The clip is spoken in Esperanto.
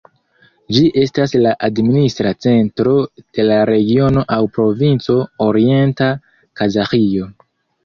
Ĝi estas la administra centro de la regiono aŭ provinco Orienta Kazaĥio.